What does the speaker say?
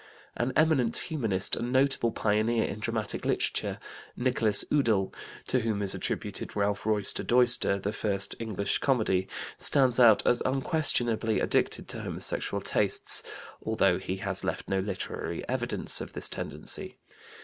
An eminent humanist and notable pioneer in dramatic literature, Nicholas Udall, to whom is attributed Ralph Roister Doister, the first English comedy, stands out as unquestionably addicted to homosexual tastes, although he has left no literary evidence of this tendency.